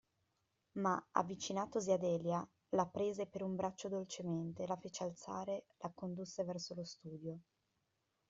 Ma, avvicinatosi a Delia, la prese per un braccio dolcemente, la fece alzare, la condusse verso lo studio.